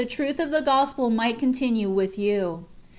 truth of the gospel might continue with you."